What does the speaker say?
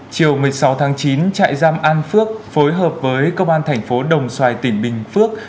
chiều một mươi sáu tháng chín trại giam an phước phối hợp với công an thành phố đồng xoài tỉnh bình phước